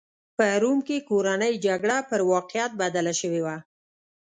په روم کې کورنۍ جګړه پر واقعیت بدله شوې وه.